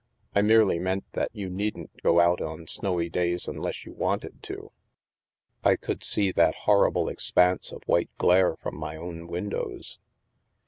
I merely meant that you needn't go out on snowy days unless you wanted to/' " I could see that horrible expanse of white glare from my own windows."